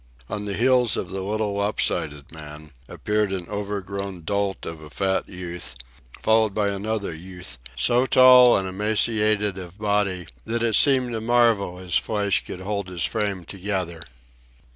On the heels of the little lop sided man appeared an overgrown dolt of a fat youth, followed by another youth so tall and emaciated of body that it seemed a marvel his flesh could hold his frame together.